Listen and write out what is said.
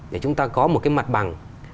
để chúng ta có một cái mặt bằng